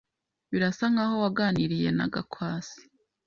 Birasa nkaho waganiriye na Gakwasi.